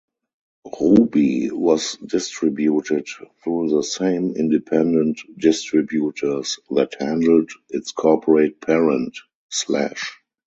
Ruby was distributed through the same independent distributors that handled its corporate parent, Slash.